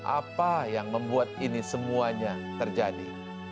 apa yang membuat ini semuanya terjadi